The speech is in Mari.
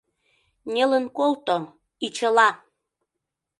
Нелын колто — и чыла!